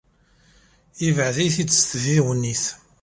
Yebeε-it-id s tdiwennit.